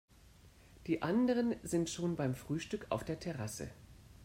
Die anderen sind schon beim Frühstück auf der Terrasse.